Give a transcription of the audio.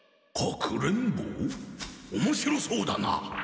おもしろそうだな！